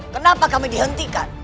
kenapa kami dihentikan